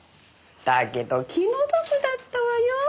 だけど気の毒だったわよ。